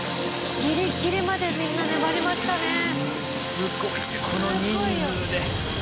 すごいねこの人数で。